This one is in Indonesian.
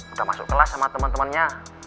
udah masuk kelas sama temen temennya